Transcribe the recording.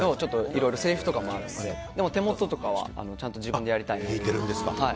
いろいろせりふとかもあってでも、手元とかはちゃんと自分でやりたいなと。